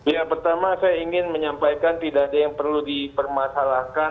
ya pertama saya ingin menyampaikan tidak ada yang perlu dipermasalahkan